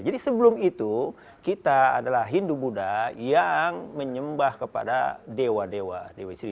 jadi sebelum itu kita adalah hindu buddha yang menyembah kepada dewa dewa di sini